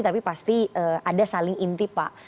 tapi pasti ada saling inti pak